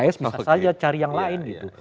iya ada pks bisa saja cari yang lain gitu